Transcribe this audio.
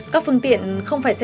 các phương tiện không phải xe đạp